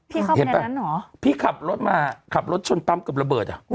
พี่เข้าไปในนั้นหรอพี่ขับรถมาขับรถชนปั๊มกับระเบิดอ่ะ